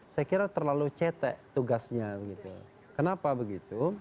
saya kira terlalu cetek tugasnya kenapa begitu